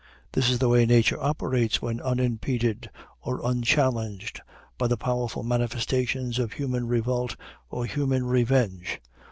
This is the way nature operates when unimpeded or unchallenged by the powerful manifestations of human revolt or human revenge.